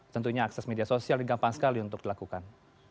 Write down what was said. tentunya akses media sosial ini gampang sekali untuk dilakukan